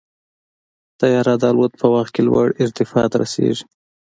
طیاره د الوت په وخت کې لوړ ارتفاع ته رسېږي.